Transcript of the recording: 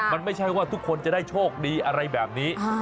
มันไม่ใช่ว่าทุกคนจะได้โชคดีอะไรแบบนี้